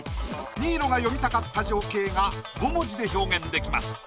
新納が詠みたかった情景が５文字で表現できます。